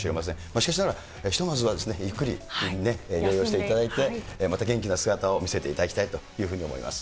しかしながらひとまずはですね、ゆっくり療養していただいて、また元気な姿を見せていただきたいというふうに思います。